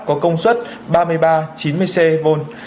có công suất ba mươi ba chín mươi cv